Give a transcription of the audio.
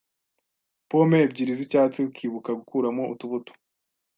Pome ebyiri z’icyatsi ukibuka gukuramo utubuto